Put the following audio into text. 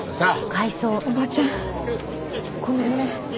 おばちゃんごめんね。